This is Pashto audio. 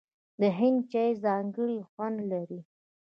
د هند چای ځانګړی خوند لري.